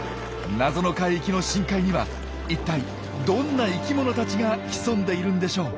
「謎の海域」の深海には一体どんな生きものたちが潜んでいるんでしょう。